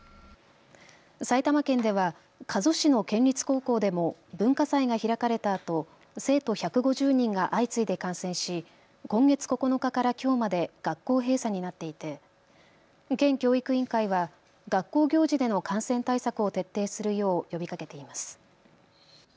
埼玉県では加須市の県立高校でも文化祭が開かれたあと生徒１５０人が相次いで感染し今月９日からきょうまで学校閉鎖になっていて県教育委員会は学校行事での感染対策を徹底するよう呼びかけています。